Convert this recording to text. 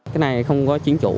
cái này không có chính chủ